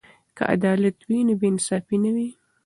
که عدالت وي نو بې انصافي نه وي.